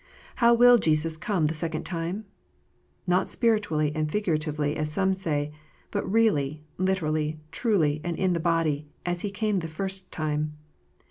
How will Jesus come the second time 1 ? Not spiritually and figuratively, as some say ; but really, literally, truly, and in the body, as He came the first time.